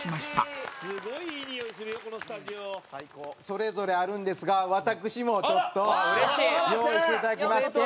それぞれあるんですが私もちょっと用意していただきまして。